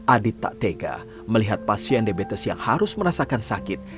adit tak tega melihat pasien diabetes yang harus merasakan sakit